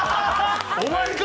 お前か！